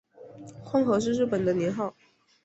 宽和是日本的年号。